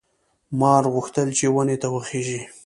مار غوښتل چې ونې ته وخېژي.